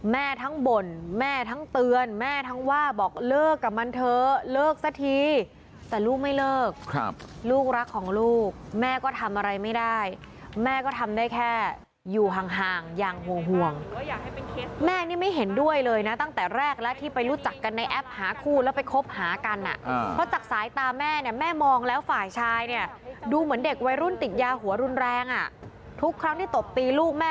แม่ทั้งบ่นแม่ทั้งเตือนแม่ทั้งว่าบอกเลิกกับมันเถอะเลิกสักทีแต่ลูกไม่เลิกลูกรักของลูกแม่ก็ทำอะไรไม่ได้แม่ก็ทำได้แค่อยู่ห่างอย่างห่วงแม่นี่ไม่เห็นด้วยเลยนะตั้งแต่แรกแล้วที่ไปรู้จักกันในแอปหาคู่แล้วไปคบหากันอ่ะเพราะจากสายตาแม่เนี่ยแม่มองแล้วฝ่ายชายเนี่ยดูเหมือนเด็กวัยรุ่นติดยาหัวรุนแรงอ่ะทุกครั้งที่ตบตีลูกแม่